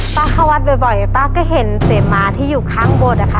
เข้าวัดบ่อยป้าก็เห็นเสมาที่อยู่ข้างบนอะค่ะ